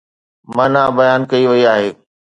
معنيٰ بيان ڪئي وئي آهي.